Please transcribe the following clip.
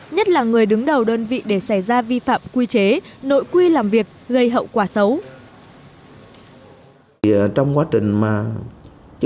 nhất là người đứng đầu đơn vị để xảy ra vi phạm quy chế nội quy làm việc gây hậu quả xấu